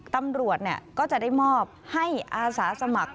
ตำรวจก็จะได้มอบให้อาสาสมัคร